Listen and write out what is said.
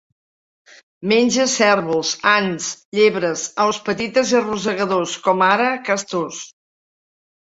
Menja cérvols, ants, llebres, aus petites i rosegadors, com ara castors.